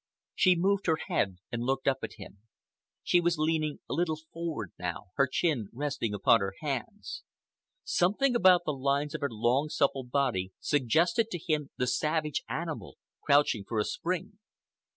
She moved her head and looked up at him. She was leaning a little forward now, her chin resting upon her hands. Something about the lines of her long, supple body suggested to him the savage animal crouching for a spring.